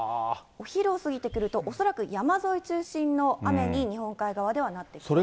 お昼を過ぎてくると、恐らく山沿い中心の雨に、日本海側ではなってきます。